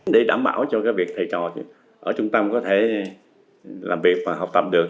để đảm bảo cho việc thầy trò ở trung tâm có thể làm việc và học tập được